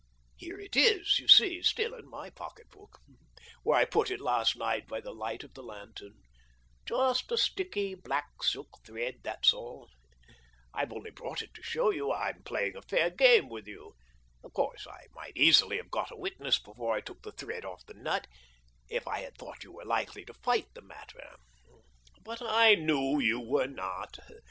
Here it is, you see, still in my pocket book, where I put it last night by the light of the lantern ; just a sticky black silk thread, that's all. I've only brought it to show you I'm playing a fair game with you. Of course I might easily have got a witness before I took the thread off the nut, if I had thought you were likely to fight the matter. But I knew you were not.